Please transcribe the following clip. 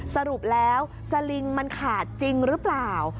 สรุปแล้วสลิงมันขาดจริงหรือเปล่า